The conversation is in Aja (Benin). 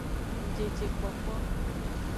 Ngjejekpokpo.